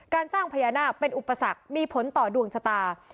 สร้างพญานาคเป็นอุปสรรคมีผลต่อดวงชะตา